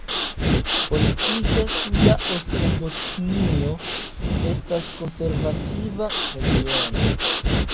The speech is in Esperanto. Politike Suda Ostrobotnio estas konservativa regiono.